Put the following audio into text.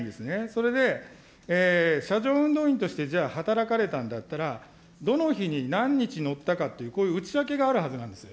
それで、車上運動員として、じゃあ、働かれたんだったら、どの日に何日乗ったかっていう、内訳があるはずなんです。